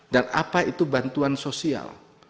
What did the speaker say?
dan apa itu bantuan sosial